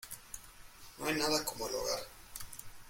No hay nada como el hogar.